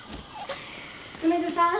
梅津さん。